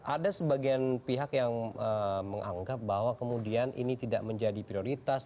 ada sebagian pihak yang menganggap bahwa kemudian ini tidak menjadi prioritas